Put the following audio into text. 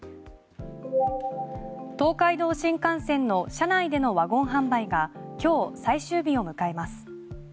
東海道新幹線の車内でのワゴン販売が今日、最終日を迎えます。